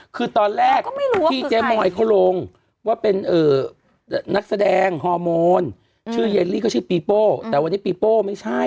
คือตอนแรกที่เจ๊มอยเขาลงว่าเป็นนักแสดงฮอร์โมนชื่อเยลลี่เขาชื่อปีโป้แต่วันนี้ปีโป้ไม่ใช่